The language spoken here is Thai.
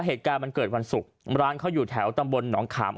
เหตุการณ์มันเกิดวันศุกร์ร้านเขาอยู่แถวตำบลหนองขาม